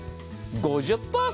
５０％